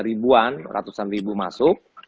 ribuan ratusan ribu masuk